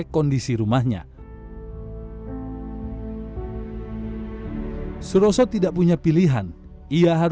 kesini tetap kesini pengepulnya